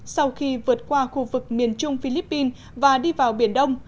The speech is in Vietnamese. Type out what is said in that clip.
sau khi vượt qua khu vực miền trung philippines và đi vào biển đông